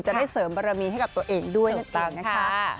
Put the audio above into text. จะได้เสริมบารมีให้กับตัวเองด้วยนั่นเองนะคะ